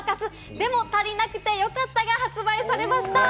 『でも、たりなくてよかった』が発売されました。